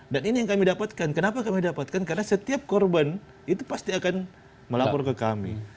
dan ini yang kami dapatkan kenapa kami dapatkan karena setiap korban itu pasti akan melapor ke kami